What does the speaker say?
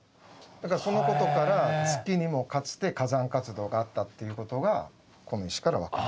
だからそのことから月にもかつて火山活動があったっていうことがこの石から分かる。